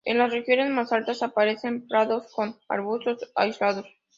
En las regiones más altas aparecen prados con arbustos aislados.